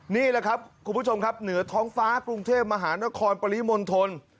นี่แหละครับคุณผู้ชมครับเหนือท้องฟ้ากรุงเทพมหานครปริมณฑล